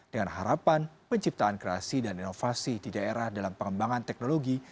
dengan harapan penciptaan kreasi dan inovasi di daerah dalam pengembangan teknologi